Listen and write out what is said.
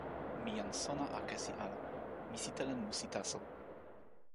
mi jan sona akesi ala. mi sitelen musi taso.